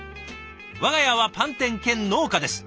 「我が家はパン店兼農家です。